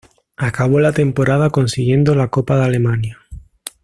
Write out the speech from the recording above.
Acabó la temporada consiguiendo la Copa de Alemania.